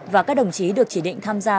và các đồng chí được chỉ định tham gia